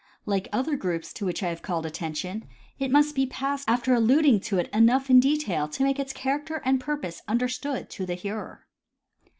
Like other groups to which I have called attention, it must be passed after alluding to it enough in detail to make its character and purpose understood to the hearer.